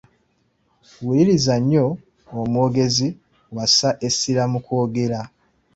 Wuliriza nnyo omwogezi w’assa essira mu kwogera.